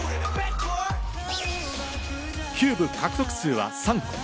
キューブ獲得数は３個。